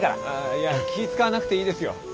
いや気ぃ使わなくていいですよ。